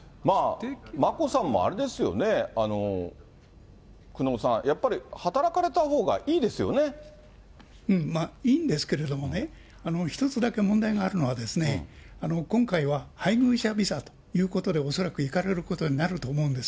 眞子さんも、あれですよね、久能さん、やっぱり働かれたほうまあ、いいんですけれどもね、一つだけ問題があるのは、今回は配偶者ビザということで、恐らく行かれることになると思うんです。